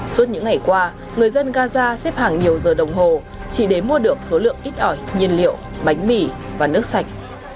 suốt những ngày qua người dân gaza xếp hàng nhiều giờ đồng hồ chỉ để mua được số lượng ít ỏi nhiên liệu bánh mì và nước sạch